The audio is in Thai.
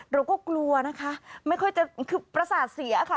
เราก็กลัวนะคะไม่ค่อยจะคือประสาทเสียค่ะ